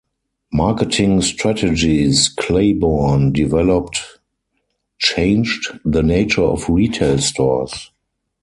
Marketing strategies Claiborne developed changed the nature of retail stores.